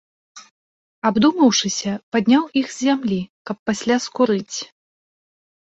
Абдумаўшыся, падняў іх з зямлі, каб пасля скурыць.